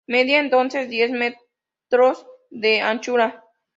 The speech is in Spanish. Medía entonces diez metros de anchura.